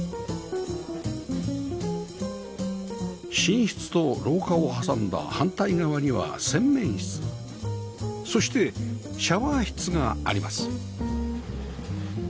寝室と廊下を挟んだ反対側には洗面室そしてシャワー室があります